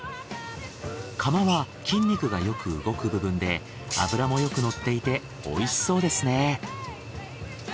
カマは筋肉がよく動く部分で脂もよくのっていて美味しそうですね。